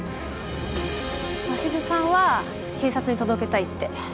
鷲津さんは警察に届けたいって。